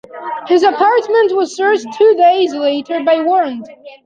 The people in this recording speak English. His apartment was searched two days later by warrant.